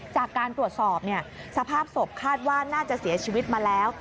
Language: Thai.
จากการตรวจสอบสภาพศพคาดว่าน่าจะเสียชีวิตมาแล้ว